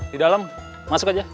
di dalam masuk aja